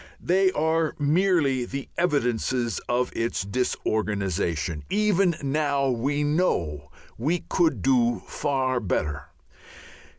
They are merely the evidences of its disorganization. Even now we know we could do far better.